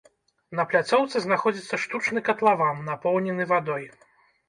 На пляцоўцы знаходзіцца штучны катлаван, напоўнены вадой.